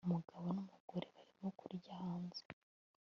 Umugabo numugore barimo kurya hanze